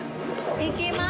行きまーす。